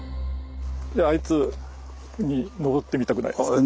であいつに登ってみたくないですか？